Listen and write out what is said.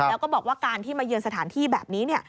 แล้วก็บอกว่าการที่มาเยือนสถานที่แบบนี้